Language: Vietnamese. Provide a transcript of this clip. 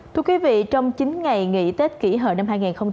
thưa quý vị trong chín ngày nghỉ tết kỷ hợi năm hai nghìn một mươi chín